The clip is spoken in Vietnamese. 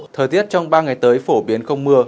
thời tiết trong ba ngày tới phổ biến không mưa